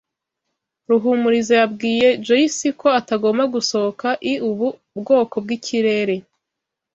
Ruhumuriza yabwiye Joyce ko atagomba gusohoka iubu bwoko bwikirere.